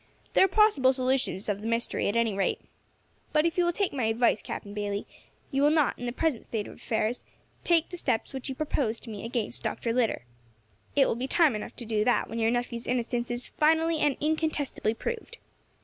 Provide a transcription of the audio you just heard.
"These are possible solutions of the mystery, at any rate. But if you will take my advice, Captain Bayley, you will not, in the present state of affairs, take the steps which you propose to me against Dr. Litter. It will be time enough to do that when your nephew's innocence is finally and incontestably proved.